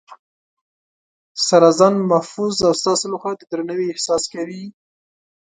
سره ځان محفوظ او ستاسې لخوا د درناوي احساس کوي